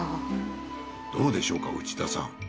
どうでしょうか内田さん。